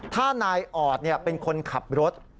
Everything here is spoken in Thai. ถ้านายออดเป็นคนขับรถ